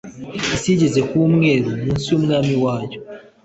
isi yigeze kuba umwere munsi yumwami wayo